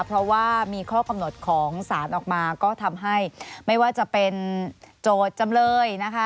เพราะว่ามีข้อกำหนดของสารออกมาก็ทำให้ไม่ว่าจะเป็นโจทย์จำเลยนะคะ